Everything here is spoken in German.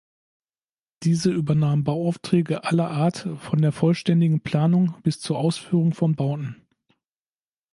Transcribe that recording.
Diese übernahm Bauaufträge aller Art von der vollständigen Planung bis zur Ausführung von Bauten.